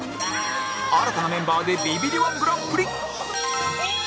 新たなメンバーでビビリ −１ グランプリひー！